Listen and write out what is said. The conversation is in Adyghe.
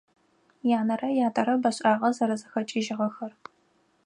Янэрэ ятэрэ бэшIагъэ зэрэзэхэкIыжьыгъэхэр.